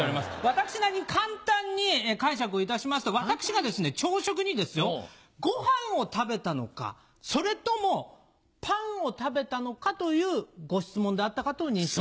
私なりに簡単に解釈をいたしますと私が朝食にですよご飯を食べたのかそれともパンを食べたのかというご質問であったかと認識して。